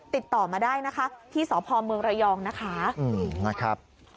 ติดต่อมาได้นะคะที่สพเมืองระยองนะคะ